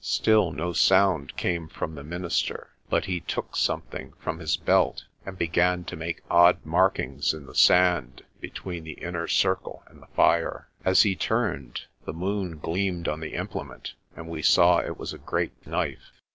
Still no sound came from the minister, but he took something from his belt, and began to make odd markings in the sand be tween the inner circle and the fire. As he turned, the moon gleamed on the implement, and we saw it was a great knife.